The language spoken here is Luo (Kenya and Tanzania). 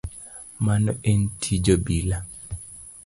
Mano en tij obila.